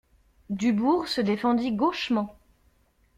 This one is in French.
Dubourg se défendit gauchement.